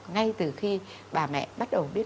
ngay từ khi bà mẹ bắt đầu biết